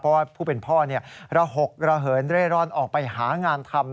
เพราะว่าผู้เป็นพ่อระหกระเหินเร่ร่อนออกไปหางานทำ